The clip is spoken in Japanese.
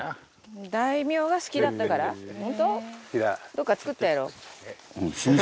どっか作ったやろ。